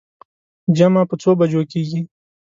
جمعه په څو بجو کېږي.